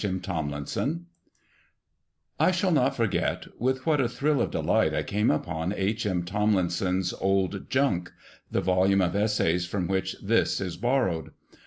M. TOMLINSON I shall not forget with what a thrill of delight I came upon H. M. Tomlinson's Old Junk, the volume of essays from which this is borrowed.